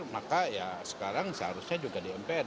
maka ya sekarang seharusnya juga di mpr